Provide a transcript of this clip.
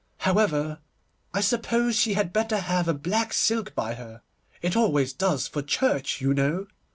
However, I suppose she had better have a black silk by her; it always does for church, you know.